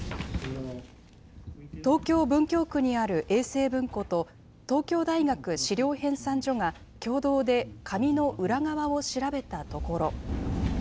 東京・文京区にある永青文庫と、東京大学史料編纂所が共同で紙の裏側を調べたところ。